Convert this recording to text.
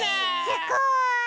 すごい！